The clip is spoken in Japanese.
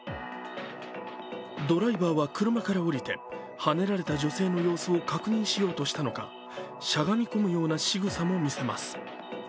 ドライバーは車から降りてはねられた女性の様子を確認しようとしたのかしゃがみ込むようなしぐさも見せます。